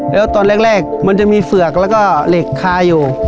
แล้วตอนแรกมันจะมีเฝือกแล้วก็เหล็กคาอยู่